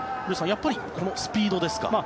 やっぱりスピードですか？